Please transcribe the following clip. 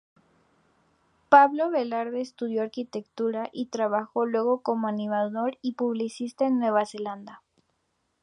Pablo Velarde estudió Arquitectura y trabajó luego como animador y publicista en Nueva Zelanda.